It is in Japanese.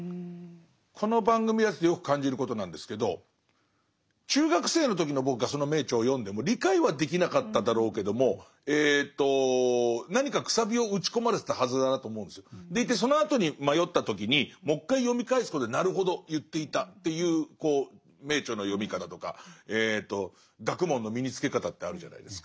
この番組やっててよく感じることなんですけど中学生の時の僕がその名著を読んでも理解はできなかっただろうけどもでいてそのあとに迷った時にもう一回読み返すことでなるほど言っていたっていう名著の読み方とか学問の身につけ方ってあるじゃないですか。